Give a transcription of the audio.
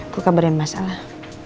aku kabarin masalah